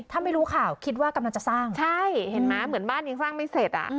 ถ้าไม่รู้ข่าวคิดว่ากำลังจะสร้างใช่เห็นไหมเหมือนบ้านยังสร้างไม่เสร็จอ่ะ